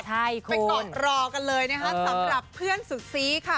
ไปกอดรอกันเลยนะคะสำหรับเพื่อนสุดซีค่ะ